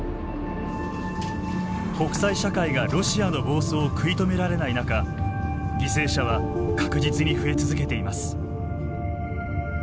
国際社会がロシアの暴走を食い止められない中犠牲者は確実に増え続けています。